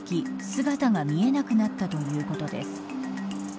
姿が見えなくなったということです。